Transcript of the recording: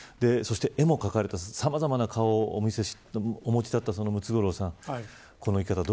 絵も描かれていたさまざまな顔をお持ちだったムツゴロウさん。